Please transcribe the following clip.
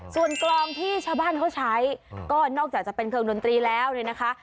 ส่วนกลองที่ชาวบ้านเขาใช้ก็นอกจากจะเป็นเครื่องดนตรีแล้วเนี่ยนะคะ